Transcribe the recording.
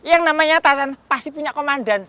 yang namanya atasan pasti punya komandan